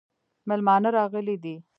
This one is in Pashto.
مېلمانه راغلي دي